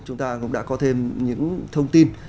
chúng ta cũng đã có thêm những thông tin